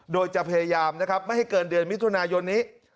โดยจะพยายามนะครับไม่ให้เกินเดือนมิถุนายนนี้